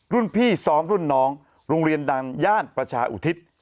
รุ่นพี่ซ้อมรุ่นน้องโรงเรียนดังย่านประชาอุทิศ